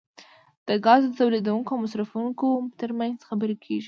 د ګازو د تولیدونکو او مصرفونکو ترمنځ خبرې کیږي